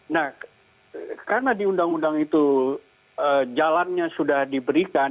nah karena di undang undang itu jalannya sudah diberikan